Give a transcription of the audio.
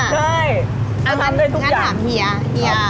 ใช่ต้องทำด้วยทุกอย่างงั้นถามเฮียเฮีย